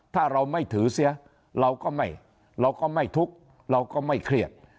ถ้าเราไม่ถือเสียเราก็ไม่เราก็ไม่ทุกข์เราก็ไม่เครียด